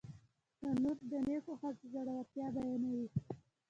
تنور د نیکو ښځو زړورتیا بیانوي